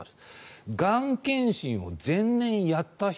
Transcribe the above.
がん検診を前年やった人。